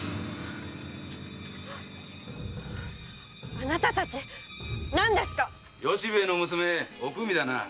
あなた達何ですか⁉由兵衛の娘・おくみだな。